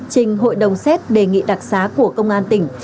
trình hội đồng xét đề nghị đặc xá của công an tỉnh